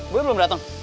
boyo belum datang